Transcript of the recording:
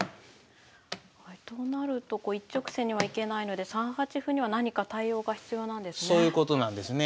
となると一直線には行けないので３八歩には何か対応が必要なんですね。